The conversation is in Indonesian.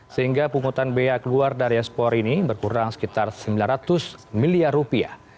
sehingga pungutan bea keluar dari ekspor ini berkurang sekitar sembilan ratus miliar rupiah